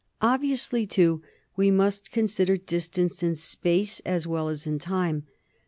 Obviously, too, we must consider distance in space as well as in time.